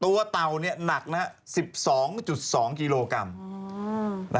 ตัวเตานี่หนัก๑๒๒กิโลกรัม